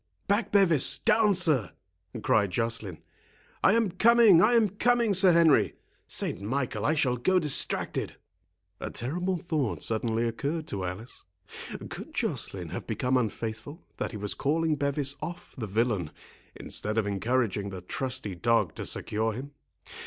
"Back, Bevis; down, sir!" cried Joceline. "I am coming, I am coming, Sir Henry—Saint Michael, I shall go distracted!" A terrible thought suddenly occurred to Alice; could Joceline have become unfaithful, that he was calling Bevis off the villain, instead of encouraging the trusty dog to secure him?